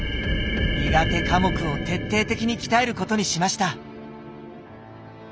苦手科目を徹底的に鍛えることにしました。